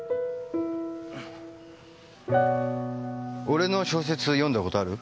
俺の小説読んだ事ある？